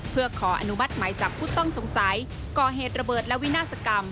เพื่อขออนุมัติหมายจับผู้ต้องสงสัยก่อเหตุระเบิดและวินาศกรรม